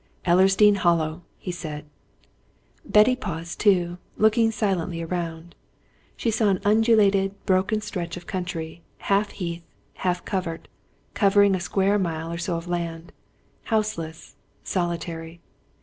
"Ellersdeane Hollow!" he said. Betty paused too, looking silently around. She saw an undulating, broken stretch of country, half heath, half covert, covering a square mile or so of land, houseless, solitary.